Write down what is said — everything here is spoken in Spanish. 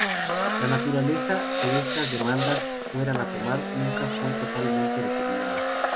La naturaleza que estas demandas fueran a tomar nunca fue totalmente determinada.